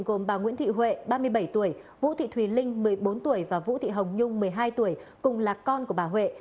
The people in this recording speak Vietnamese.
gồm bà nguyễn thị huệ ba mươi bảy tuổi vũ thị thùy linh một mươi bốn tuổi và vũ thị hồng nhung một mươi hai tuổi cùng là con của bà huệ